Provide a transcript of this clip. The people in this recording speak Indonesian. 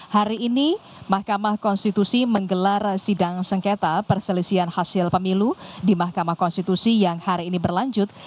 hari ini mahkamah konstitusi menggelar sidang sengketa perselisihan hasil pemilu di mahkamah konstitusi yang hari ini berlanjut